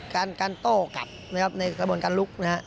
การโต้กลับในกระบวนการลุก